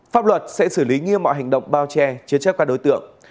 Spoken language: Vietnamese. pháp luật sẽ xử lý nghiêm mọi hành động bao che chiến trách các đối tượng